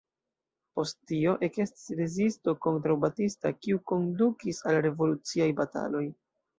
Post tio ekestis rezisto kontraŭ Batista, kiu kondukis al revoluciaj bataloj.